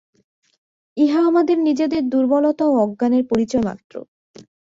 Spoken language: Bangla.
ইহা আমাদের নিজেদের দুর্বলতা ও অজ্ঞানের পরিচয় মাত্র।